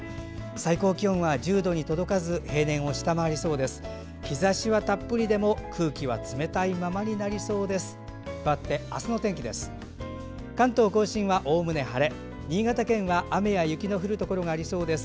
最高気温は１０度に届かず平年を下回りそうです。